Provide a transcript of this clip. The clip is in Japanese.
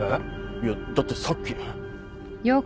いやだってさっき。